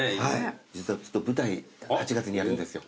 実は舞台８月にやるんですよ。